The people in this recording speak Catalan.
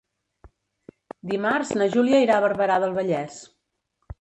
Dimarts na Júlia irà a Barberà del Vallès.